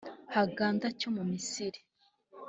Hurghada cyo mu Misiri